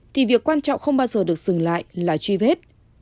thì việc quan trọng không bao giờ được dừng lại là truy vết